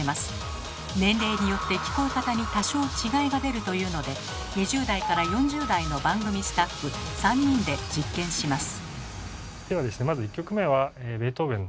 年齢によって聞こえ方に多少違いが出るというので２０代から４０代の番組スタッフ３人で実験します。